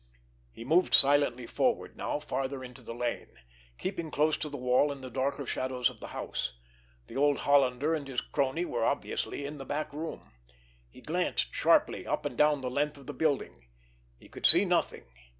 He moved silently forward now farther into the lane, keeping close to the wall in the darker shadows of the house. The old Hollander and his crony were obviously in the back room. He glanced sharply up and down the length of the building. He could see nothing.